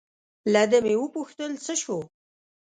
له ده مې و پوښتل: څه شو؟